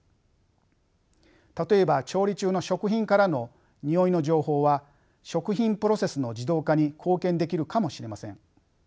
例えば調理中の食品からのにおいの情報は食品プロセスの自動化に貢献できるかもしれません。